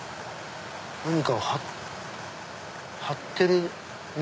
何かを貼ってるね。